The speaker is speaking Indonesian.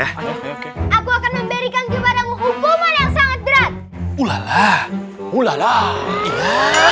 aku akan memberikan kepadamu hukuman yang sangat berat